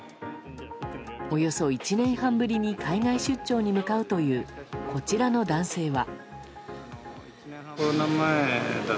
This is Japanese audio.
およそ１年半ぶりに海外出張に向かうという、こちらの男性は。